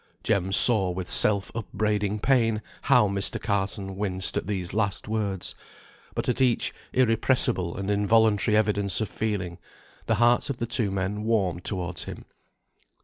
Jem saw with self upbraiding pain how Mr. Carson winced at these last words, but at each irrepressible and involuntary evidence of feeling, the hearts of the two men warmed towards him.